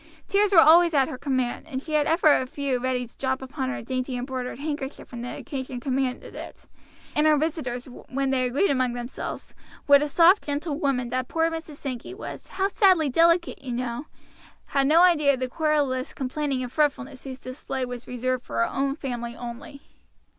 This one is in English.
Tears were always at her command, and she had ever a few ready to drop upon her dainty embroidered handkerchief when the occasion commanded it; and her visitors, when they agreed among themselves, what a soft gentle woman that poor Mrs. Sankey was, but sadly delicate you know had no idea of the querulous complaining and fretfulness whose display was reserved for her own family only.